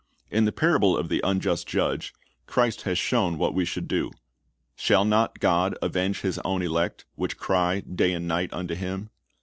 In the parable of the unjust judge, Christ has shown what we should do. "Shall not God avenge His own elect, which cry day and night unto Him?"